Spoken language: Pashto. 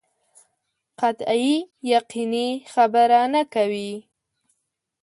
قطعي یقیني خبره نه کوي.